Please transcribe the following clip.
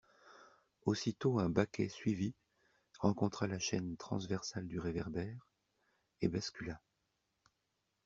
Aussitôt un baquet suivit, rencontra la chaîne transversale du réverbère, et bascula.